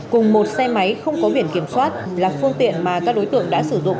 cùng một xe máy không có biển kiểm soát là phương tiện mà các đối tượng đã sử dụng